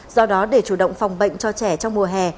do đó để chủ động phòng bệnh cho trẻ trong mùa hè